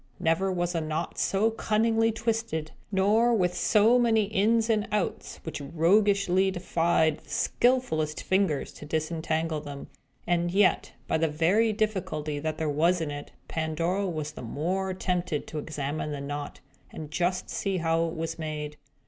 Never was a knot so cunningly twisted, nor with so many ins and outs, which roguishly defied the skilfullest fingers to disentangle them. And yet, by the very difficulty that there was in it, Pandora was the more tempted to examine the knot, and just see how it was made.